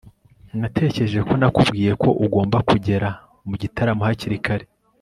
natekereje ko nakubwiye ko ugomba kugera mu gitaramo hakiri kare